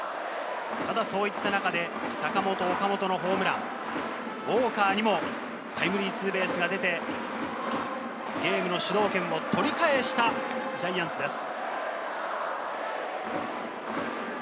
そういった中で坂本、岡本のホームラン、ウォーカーにもタイムリーツーベースが出て、ゲームの主導権を取り返したジャイアンツです。